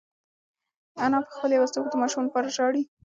انا په خپله یوازیتوب کې د ماشوم لپاره ژاړي.